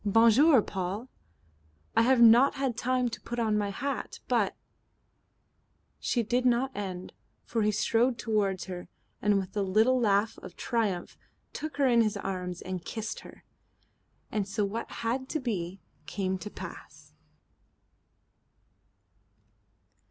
"Bon jour, Paul. I've not had time to put on my hat, but " She did not end, for he strode toward her and with a little laugh of triumph took her in his arms and kissed her. And so what had to be came to pass.